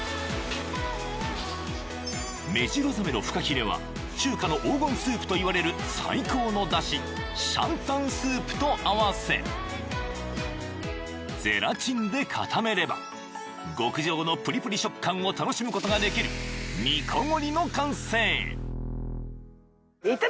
［メジロザメのフカヒレは中華の黄金スープといわれる最高のだしシャンタンスープと合わせゼラチンで固めれば極上のプリプリ食感を楽しむことができる煮こごりの完成］